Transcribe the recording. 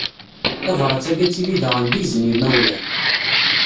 Tabrat-agi ad tili daɣen d izen i yimawlan.